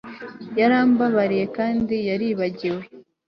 yarambabariye kandi yaribagiwe